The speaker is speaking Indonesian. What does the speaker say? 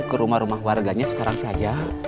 ke rumah rumah warganya sekarang saja